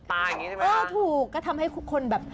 อย่างนี้ใช่ไหมเออถูกก็ทำให้ทุกคนแบบ